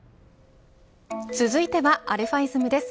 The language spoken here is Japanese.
続いてはαｉｓｍです。